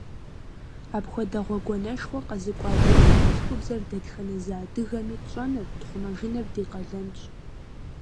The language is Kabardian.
Апхуэдэ гъуэгуанэшхуэ къэзыкӀуа ди анэдэлъхубзэр дэтхэнэ зы адыгэми тщӀэныр, тхъумэжыныр ди къалэнщ.